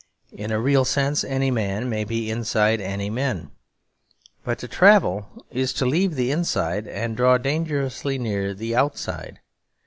In a real sense any man may be inside any men. But to travel is to leave the inside and draw dangerously near the outside.